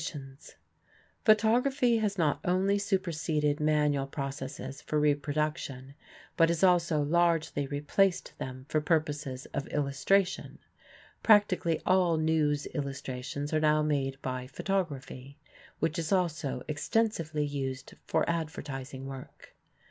Macnaughton SCENE ON THE CONNECTICUT RIVER] Photography has not only superseded manual processes for reproduction, but has also largely replaced them for purposes of illustration. Practically all news illustrations are now made by photography, which is also extensively used for advertising work.